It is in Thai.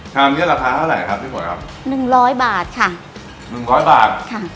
เนี้ยราคาเท่าไหร่ครับพี่ฝนครับหนึ่งร้อยบาทค่ะหนึ่งร้อยบาทค่ะ